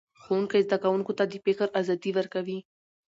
ښوونکی زده کوونکو ته د فکر ازادي ورکوي